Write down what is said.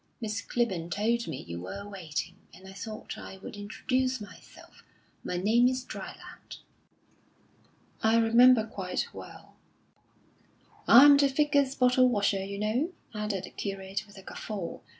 Miss Clibborn told me you were waiting, and I thought I would introduce myself. My name is Dryland." "I remember quite well." "I'm the Vicar's bottle washer, you know," added the curate, with a guffaw.